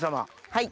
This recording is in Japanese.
はい。